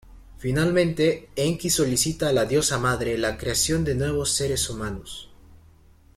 Finalmente Enki solicita a la diosa madre la creación de nuevos seres humanos.